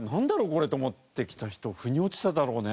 これって思ってきた人腑に落ちただろうね。